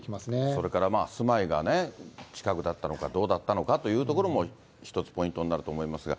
それから住まいが近くだったのかどうだったのかというところも、１つポイントになると思いますが。